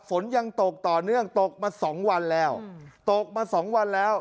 ฝนยังตกต่อเนื่องตกมาสองวันแล้วตกมาสองวันแล้ว